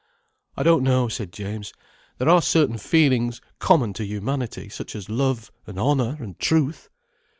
"I don't know," said James. "There are certain feelings common to humanity, such as love, and honour, and truth."